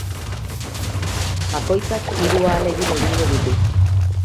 Bakoitzak hiru ahalegin egingo ditu.